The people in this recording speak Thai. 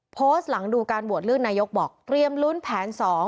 โพสต์หลังดูการโหวตเลือกนายกบอกเตรียมลุ้นแผน๒